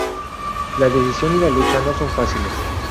La decisión y la lucha no son fáciles.